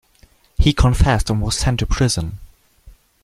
He confessed and was sent to prison.